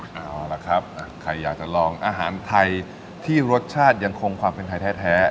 เอาล่ะครับใครอยากจะลองอาหารไทยที่รสชาติยังคงความเป็นไทยแท้